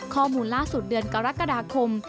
ข้อมูลล่าสุดเดือนกรกฎาคม